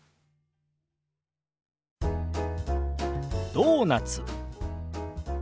「ドーナツ」。